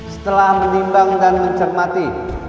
setelah menimbang dan mencermati